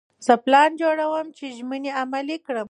زه پلان جوړوم چې ژمنې عملي کړم.